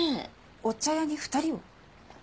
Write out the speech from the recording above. お茶屋に２人を？